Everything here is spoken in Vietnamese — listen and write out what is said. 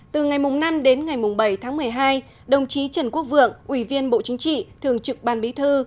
từ ngày năm đến ngày bảy tháng một mươi hai đồng chí trần quốc vượng ủy viên bộ chính trị thường trực ban bí thư